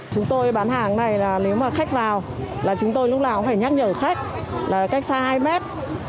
chúng tôi bán hàng cái này là nếu mà khách vào là chúng tôi lúc nào cũng phải nhắc nhở khách là cách xa hai mét